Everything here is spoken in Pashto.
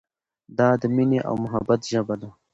دا د مینې او محبت ژبه ده.